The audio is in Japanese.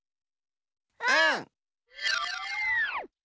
うん！